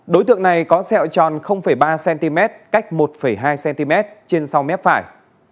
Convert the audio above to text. đối tượng này có sẹo tròn ba cm cách một hai cm trên sau mép phải